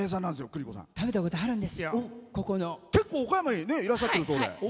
結構、岡山にいらっしゃってるそうで。